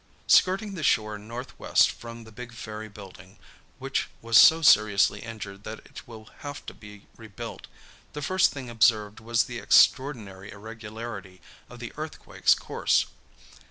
"Skirting the shore northwest from the big ferry building which was so seriously injured that it will have to be rebuilt the first thing observed was the extraordinary irregularity of the earthquake's course.